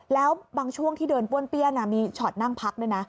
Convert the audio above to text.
แล้วบางช่วงที่เดินป้วนเปี้ยนมีช็อตนั่งพักด้วยนะ